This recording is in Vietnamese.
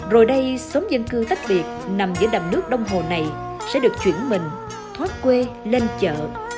rồi đây xóm dân cư tách biệt nằm giữa đầm nước đông hồ này sẽ được chuyển mình thoát quê lên chợ